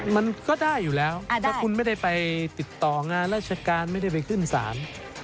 มันก็ได้อยู่แล้วถ้าคุณไม่ได้ไปติดต่องานราชการไม่ได้ไปขึ้นศาล